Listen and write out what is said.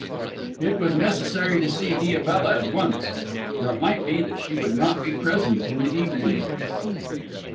It was necessary to see Diabella at once, for it might be that she would not be present in the evening.